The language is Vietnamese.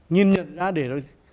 nhìn nhận ra để rồi